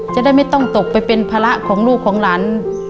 จะได้ไม่ต้องตกไปเป็นภาระของลูกของหลาน